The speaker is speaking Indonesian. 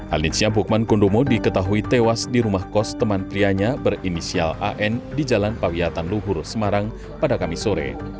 alinsya bukman kundomo diketahui tewas di rumah kos teman prianya berinisial an di jalan pawiatan luhur semarang pada kamis sore